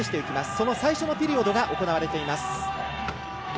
その最初のピリオドが行われています。